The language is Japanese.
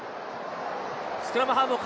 スクラムハーフ。